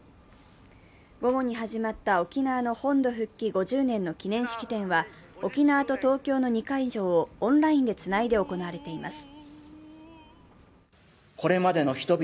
午後に始まった沖縄の本土復帰５０年の記念式典は沖縄と東京の２会場をオンラインでつないで行われています。